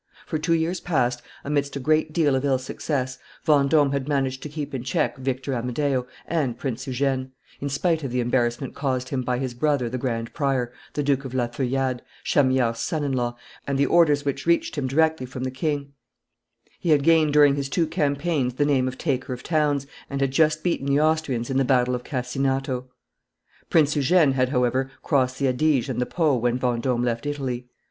For two years past, amidst a great deal of ill success, Vendome had managed to keep in check Victor Amadeo and Prince Eugene, in spite of the embarrassment caused him by his brother the grand prior, the Duke of La Feuillade, Chamillard's son in law, and the orders which reached him directly from the king; he had gained during his two campaigns the name of taker of towns, and had just beaten the Austrians in the battle of Cascinato. Prince Eugene had, however, crossed the Adige and the Po when Vendome left Italy.